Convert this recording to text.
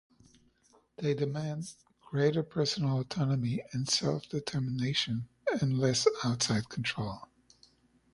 They demanded greater personal autonomy and self-determination and less outside control.